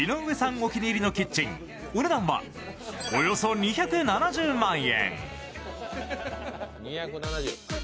お気に入りのキッチンお値段はおよそ２７０万円。